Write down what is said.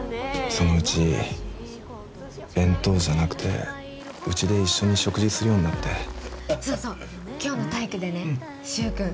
そのうち弁当じゃなくてうちで一緒に食事するようになってそうそう今日の体育でね柊くん